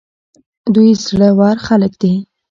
دوی زړه ور خلک دي.